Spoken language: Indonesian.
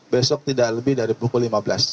besok tidak lebih dari pukul lima belas